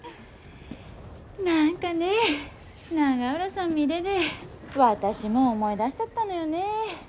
何かね永浦さん見でで私も思い出しちゃったのよね。